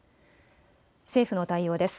政府の対応です。